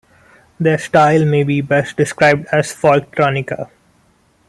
Their style may be best described as Folktronica.